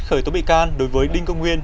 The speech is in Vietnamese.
khởi tố bị can đối với đinh công nguyên